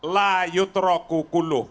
layut roh kukuluh